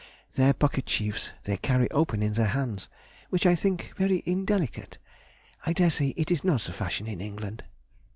Their pocketkerchiefs they carry open in their hands, which I think very indelicate; I daresay it is not the fashion in England....